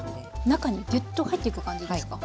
中にぎゅっと入っていく感じですか。